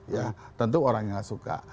ya tentu orang yang suka